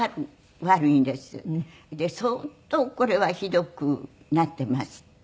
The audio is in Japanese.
「相当これはひどくなっています」って。